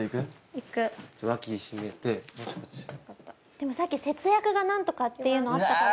でもさっき節約が何とかっていうのあったから。